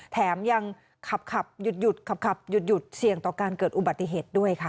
แถมยังขับหยุดขับหยุดเสี่ยงต่อการเกิดอุบัติเหตุด้วยค่ะ